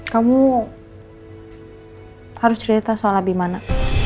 kamu harus cerita soal abimana